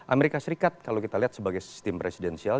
amerika serikat kalau kita lihat sebagai sistem presidensial